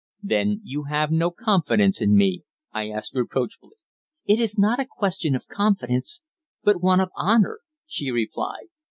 "Then you have no confidence in me?" I asked reproachfully. "It is not a question of confidence, but one of honour," she replied.